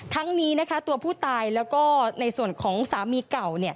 ทั้งนี้นะคะตัวผู้ตายแล้วก็ในส่วนของสามีเก่า